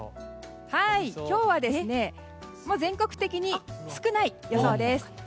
今日は、全国的に少ない予想です。